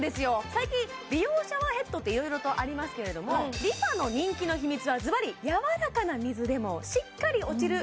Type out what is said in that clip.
最近美容シャワーヘッドっていろいろとありますけれどもＲｅＦａの人気の秘密はズバリやわらかな水でもしっかり落ちる